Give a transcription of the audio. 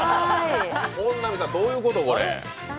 本並さん、どういうこと、これ？